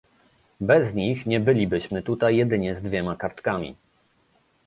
Bez nich nie bylibyśmy tutaj jedynie z dwiema kartkami